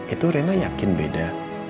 itu rena yakin beda